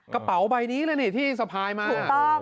กระเป๋าใบนี้เลยนี่ที่สะพายมาก